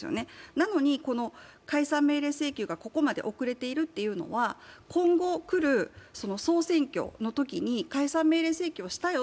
なのに、解散命令請求がここまで遅れているというのは、今後、くる総選挙のときに解散命令請求をしたよ